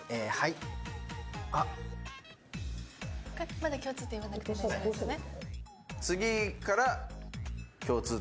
まだ共通点言わなくて大丈夫ですよね？